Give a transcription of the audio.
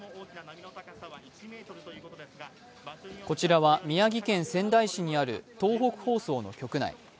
こちらは、宮城県仙台市にある東北放送の局内